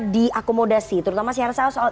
diakomodasi terutama syarat syarat soal